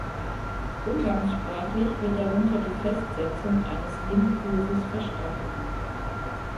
Umgangssprachlich wird darunter die Festsetzung eines jeden Kurses verstanden.